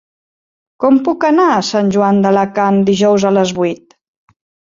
Com puc anar a Sant Joan d'Alacant dijous a les vuit?